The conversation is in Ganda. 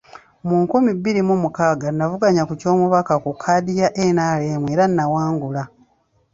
Mu nkumi bbiri mu mukaaga, n’avuganya ku ky’Omubaka ku kkaadi ya NRM era n’awangula.